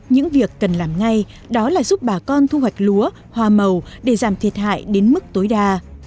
những việc cần làm ngay đó là giúp bà con thu hoạch lúa hoa màu để giảm thiệt hại đến mức tối đa